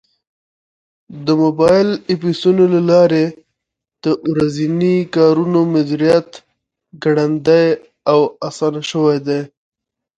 د موبایل ایپسونو له لارې د ورځني کارونو مدیریت ګړندی او اسان شوی دی.